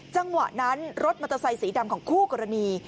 จังหวะนั้นรถมอเตอร์ไซสีดำของคู่กรณี